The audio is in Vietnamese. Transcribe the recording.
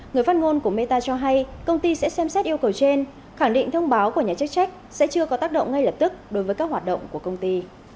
người phát ngôn của meta cho hay công ty sẽ xem xét yêu cầu trên khẳng định thông báo của nhà chức trách sẽ chưa có tác động ngay lập tức đối với các hoạt động của công ty